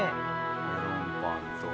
メロンパンと。